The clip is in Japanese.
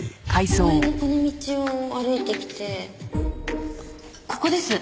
公園のこの道を歩いてきてここです！